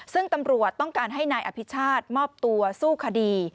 ซึ่งตำรวจต้องการให้นายอภิชาติมอบตัวสู้คดี